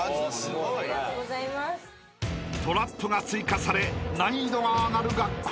［トラップが追加され難易度が上がる学校